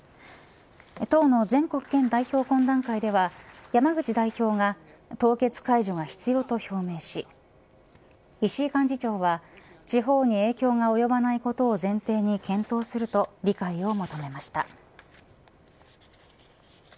党の全国県代表懇談会では山口代表が凍結解除が必要と表明し石井幹事長は地方に影響が及ばないことを前提に検討すると理解を求めました。